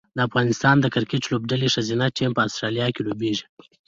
د افغانستان د کرکټ لوبډلې ښځینه ټیم په اسټرالیا کې لوبیږي